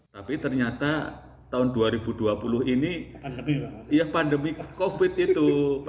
tapi ternyata tahun dua ribu dua puluh ini ya pandemi covid itu